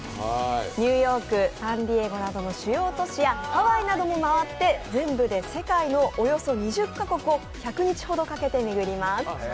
ニューヨーク、サンディエゴなどの主要都市やハワイなども回って全部で世界のおよそ２０カ国を１００日ほどかけて巡ります。